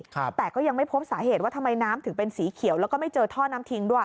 แต่ก็ยังไม่พบสาเหตุว่าทำไมน้ำถึงเป็นสีเขียวแล้วก็ไม่เจอท่อน้ำทิ้งด้วย